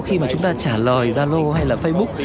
khi mà chúng ta trả lời zalo hay là facebook